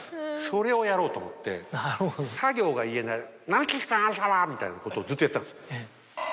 それをやろうと思ってサ行が言えない「何でしゅかあなたは」みたいなことをずっとやってたんです。